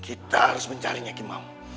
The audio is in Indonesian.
kita harus mencarinya kimam